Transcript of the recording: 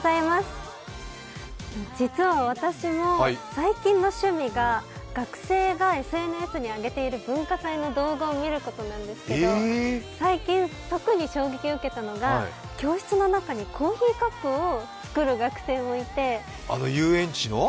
実は私も最近の趣味が学生がＳＮＳに上げている文化祭の動画を見ることなんですけど最近特に衝撃を受けたのが教室の中にコーヒーカップをあの遊園地の？